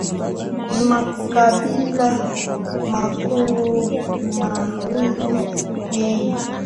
ni makabila makuu mawili yenye uhusiano wa karibu sana